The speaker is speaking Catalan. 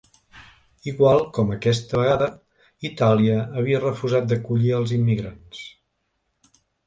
Igual com aquesta vegada, Itàlia havia refusat d’acollir els immigrants.